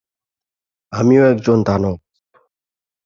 আমিও একজন দানব।